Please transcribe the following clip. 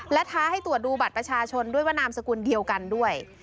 และท้าให้ตรวจดูบัตรประชาชนด้วยว่านามสกุลเดียวกันด้วย